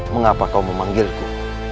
mengapa kau memanggilku